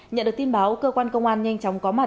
nhận được tin báo cơ quan công an nhanh chóng có mặt